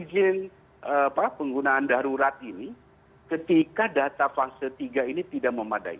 izin penggunaan darurat ini ketika data fase tiga ini tidak memadai